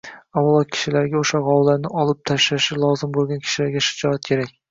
Avvalo kishilarga o‘sha g‘ovlarni olib tashlashi lozim bo‘lgan kishilarga shijoat kerak.